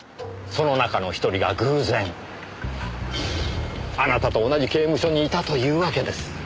その中の１人が偶然あなたと同じ刑務所にいたというわけです。